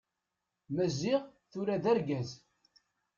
Maziɣ, tura d argaz.